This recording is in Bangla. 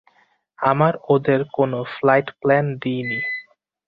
আমরা ওদের কোনো ফ্লাইট প্ল্যান দিইনি।